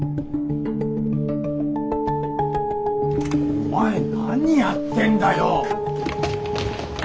お前何やってんだよ。